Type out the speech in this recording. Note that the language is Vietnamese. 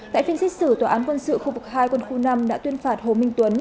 tại phiên xét xử tòa án quân sự khu vực hai quân khu năm đã tuyên phạt hồ minh tuấn